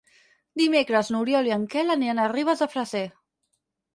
Dimecres n'Oriol i en Quel aniran a Ribes de Freser.